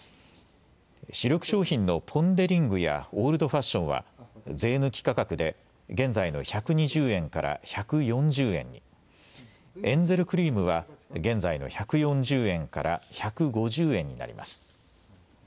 主力商品のポン・デ・リングやオールドファッションは税抜き価格で現在の１２０円から１４０円に、エンゼルクリームは現在の１４０円から１５０円になります。